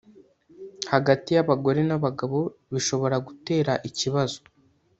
hagati y abagore n abagabo bishobora gutera ikibazo